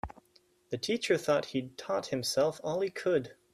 The teacher thought that he'd taught himself all he could.